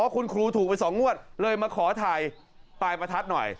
คุณครูถูกไป๒งวดเลยมาขอถ่ายปลายประทัดหน่อย